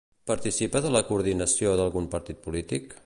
Participa de la coordinació d'algun partit polític?